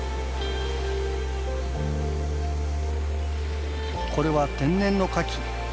これは天然のカキ。